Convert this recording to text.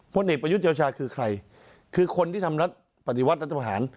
พลเอกประยุทธ์เจ้าชาคือใครคือคนที่ทำรัฐปฏิวัติรัฐประหาร